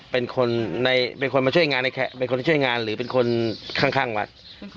เป็นคนมาช่วยงานหรือเป็นคนข้างวัด